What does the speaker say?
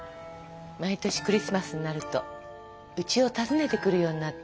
毎年クリスマスになるとうちを訪ねてくるようになったの。